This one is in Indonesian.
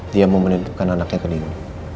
dia mau menitupkan anaknya ke nino